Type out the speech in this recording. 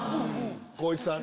光一さん